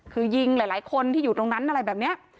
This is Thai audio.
คือยิงหลายคนที่อยู่ตรงนั้นอะไรแบบนี้